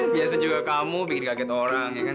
biasa juga kamu bikin kaget orang ya kan